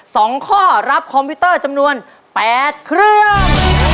สองข้อรับคอมพิวเตอร์จำนวนแปดเครื่อง